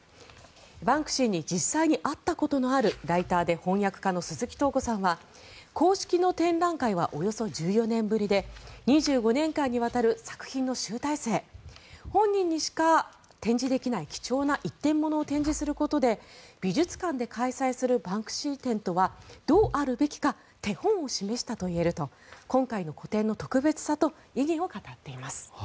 バンクシーに実際に会ったことのあるライターで翻訳家の鈴木沓子さんは公式の展覧会はおよそ１４年ぶりで２５年間にわたる作品の集大成本人にしか展示できない貴重な１点ものを展示することで美術館で開催するバンクシー展とはどうあるべきか手本を示したといえると今回の個展の特別さと意義を語っています。